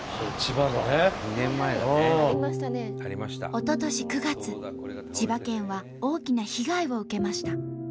おととし９月千葉県は大きな被害を受けました。